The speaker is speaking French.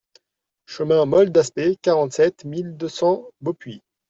Chemin Mole Daspe, quarante-sept mille deux cents Beaupuy